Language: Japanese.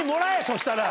そしたら。